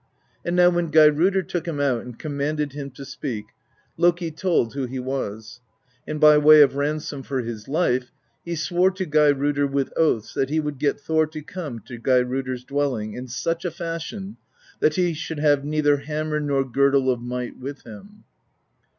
And now when Geirrodr took him out and commanded him to speak, Loki told who he was; and by way of ransom for his life he swore to Geirrodr with oaths that he would get Thor to come into Geirrodr's dwell ing in such a fashion that he should have neither hammer nor Girdle of Might with him.